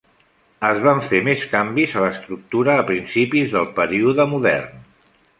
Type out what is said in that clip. Es van fer més canvis a l'estructura a principis del període modern.